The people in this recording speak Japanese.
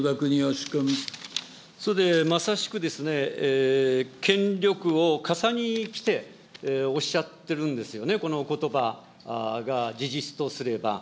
それで、まさしくですね、権力をかさにきておっしゃってるんですよね、このことばが事実とすれば。